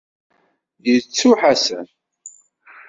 Yettu Ḥasan.